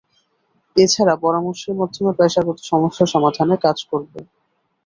এ ছাড়া পরামর্শের মাধ্যমে পেশাগত সমস্যা সমাধানে কাজ করবে।